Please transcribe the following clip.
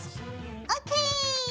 ＯＫ！